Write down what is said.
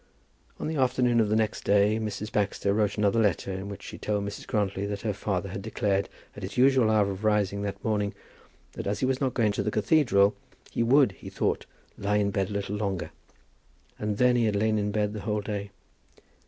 On the afternoon of the next day, Mrs. Baxter wrote another letter, in which she told Mrs. Grantly that her father had declared, at his usual hour of rising that morning, that as he was not going to the cathedral he would, he thought, lie in bed a little longer. And then he had lain in bed the whole day.